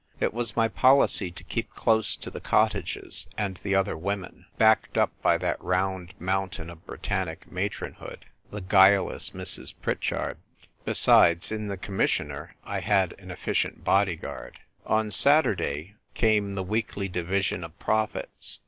It was my policy to keep close to the cottages and the other women, backed up by that round mountain of Britannic matronhood, the guile less Mrs. Pritchard. Besides, in the Com missioner, I had an efficient bodyguard. On Saturday came the weekly division of profits.